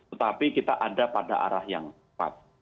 tetapi kita ada pada arah yang tepat